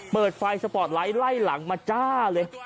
เปิดไฟสปอร์ตไลท์ไล่หลังมาจ้าเลย